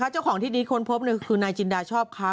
เจ้าของที่นี้ค้นพบคือนายจินดาชอบค้า